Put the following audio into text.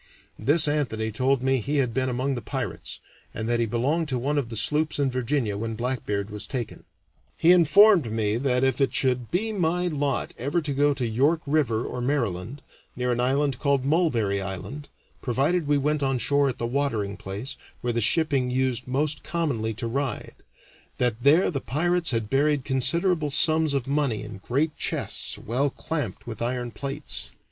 This Anthony told me he had been among the pirates, and that he belonged to one of the sloops in Virginia when Blackbeard was taken. He informed me that if it should be my lot ever to go to York River or Maryland, near an island called Mulberry Island, provided we went on shore at the watering place, where the shipping used most commonly to ride, that there the pirates had buried considerable sums of money in great chests well clamped with iron plates.